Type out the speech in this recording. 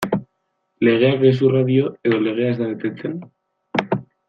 Legeak gezurra dio edo legea ez da betetzen?